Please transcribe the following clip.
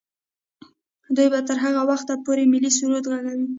دوی به تر هغه وخته پورې ملي سرود ږغوي.